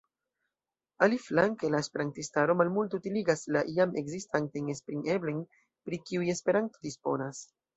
Aliflanke la esperantistaro malmulte utiligas la jam ekzistantajn esprim-eblojn, pri kiuj Esperanto disponas.